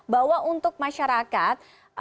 bahwa untuk masyarakat